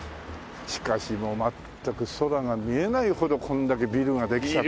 しかしもう全く空が見えないほどこれだけビルができちゃって。